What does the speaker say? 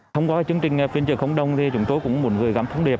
thông qua chương trình phiên chợ không đồng chúng tôi cũng muốn gặp thông điệp